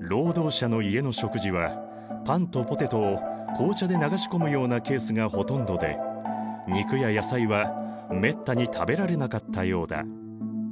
労働者の家の食事はパンとポテトを紅茶で流し込むようなケースがほとんどで肉や野菜はめったに食べられなかったようだ。